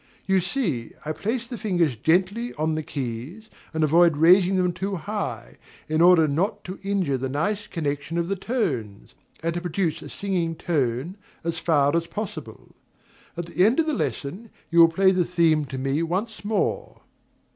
You see I place the fingers gently upon the keys and avoid raising them too high, in order not to injure the nice connection of the tones, and to produce a singing tone as far as possible. At the end of the lesson you will play the theme to me once more....